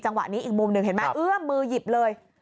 นี้อีกมุมหนึ่งเห็นไหมเอื้อมมือหยิบเลย